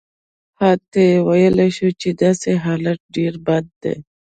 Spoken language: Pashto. حتی ویلای شو چې داسې حالت ډېر بد دی.